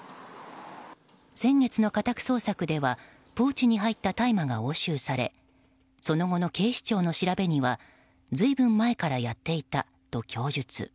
先月の家宅捜索ではポーチに入った大麻が押収されその後の警視庁の調べには随分前からやっていたと供述。